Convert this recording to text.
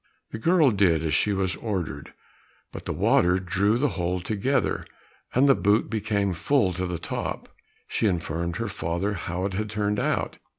The girl did as she was ordered, but the water drew the hole together, and the boot became full to the top. She informed her father how it had turned out.